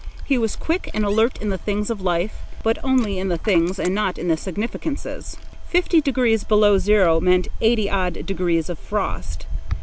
He was quick and alert in the things of life, but only in the things, and not in the significances. Fifty degrees below zero meant eighty odd degrees of frost.